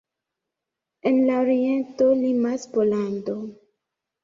En la oriento limas Pollando.